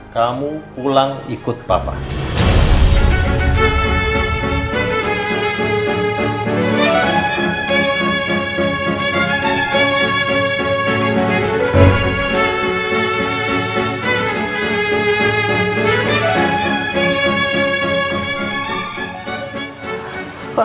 kau pulang ikut papa ya